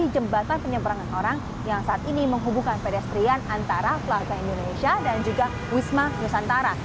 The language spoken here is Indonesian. jembatan penyeberangan orang yang saat ini menghubungkan pedestrian antara keluarga indonesia dan juga wisma nusantara